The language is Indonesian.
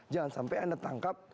jangan sampai anda tangkap